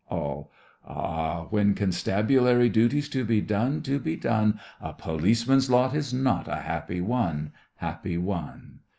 ALL: Ah, when constabulary duty's to be done, to be done, A policeman's lot is not a happy one, happy one.